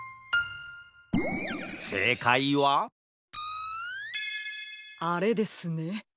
せいかいはあれですね。